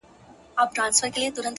ملنگ خو دي وڅنگ ته پرېږده ـ